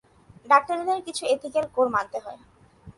ডাক্তারদের কিছু এথিকেল কোড় মানতে হয়।